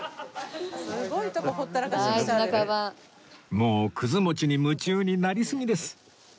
もうくず餅に夢中になりすぎです